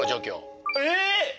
えっ！？